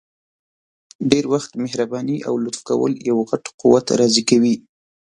ډير وخت مهرباني او لطف کول یو غټ قوت راضي کوي!